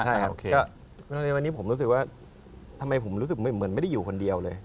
ใช่โอเคก็วันนี้ผมรู้สึกว่าทำไมผมรู้สึกเหมือนไม่ได้อยู่คนเดียวเลย